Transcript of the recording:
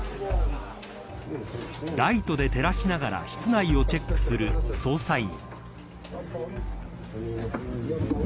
ライトで照らしながら室内をチェックする捜査員。